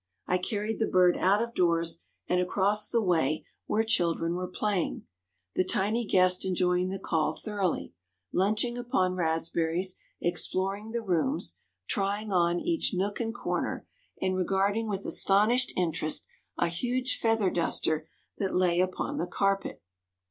I carried the bird out of doors and across the way where children were playing, the tiny guest enjoying the call thoroughly, lunching upon raspberries, exploring the rooms, "trying on" each nook and corner, and regarding with astonished interest a huge feather duster that lay upon the carpet.